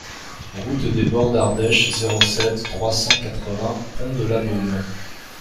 Route des Bords d'Ardèche, zéro sept, trois cent quatre-vingts Pont-de-Labeaume